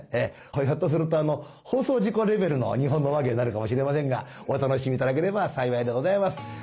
これひょっとすると放送事故レベルの「日本の話芸」になるかもしれませんがお楽しみ頂ければ幸いでございます。